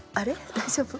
大丈夫？